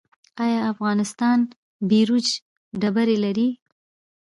آیا افغانستان بیروج ډبرې لري؟